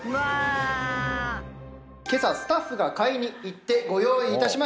今朝スタッフが買いに行ってご用意いたしました。